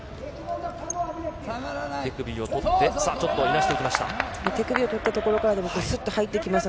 手首を取って、さあ、ちょっといなしていきました。